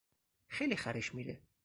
خیلی خرش میره.